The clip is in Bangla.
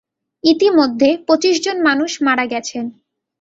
ইতোমধ্যে পচিশ জন মানুষ মারা গেছেন।